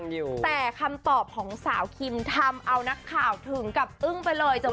อยู่แต่คำตอบของสาวคิมทำเอานักข่าวถึงกับอึ้งไปเลยจะ